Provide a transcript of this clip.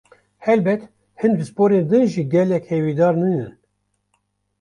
Helbet, hin pisporên din jî gelek hêvîdar nînin.